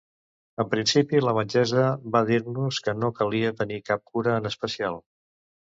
En principi, la metgessa va dir-nos que no calia tenir cap cura en especial.